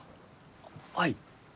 はい。